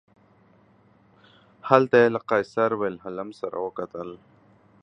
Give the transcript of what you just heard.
هلته یې له قیصر ویلهلم سره وکتل.